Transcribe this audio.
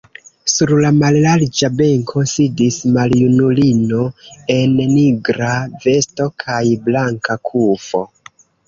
Sur la mallarĝa benko sidis maljunulino en nigra vesto kaj blanka kufo.